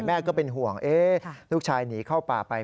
ก็เป็นห่วงลูกชายหนีเข้าป่าไป